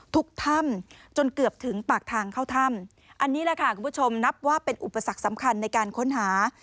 ถ้ำจนเกือบถึงปากทางเข้าถ้ำอันนี้แหละค่ะคุณผู้ชมนับว่าเป็นอุปสรรคสำคัญในการค้นหา